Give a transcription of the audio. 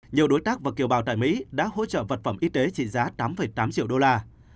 nhiều đối tác và kiều bào tại mỹ đã hỗ trợ vật phẩm y tế trị giá tám tám triệu đô la